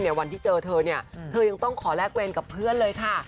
วันที่เจอเธอเนี่ยเธอยังต้องขอแลกเวรกับเพื่อนเลยค่ะ